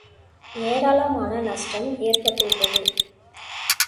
ஏராளமான நஷ்டம் ஏற்பட்டுவிட்டது.